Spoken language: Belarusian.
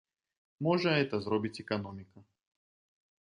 Можа, гэта зробіць эканоміка.